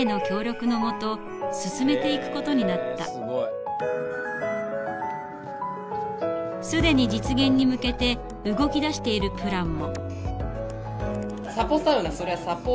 このプランは既に実現に向けて動き出しているプランも。